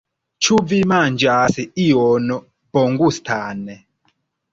Ĉu vi manĝas ion bongustan?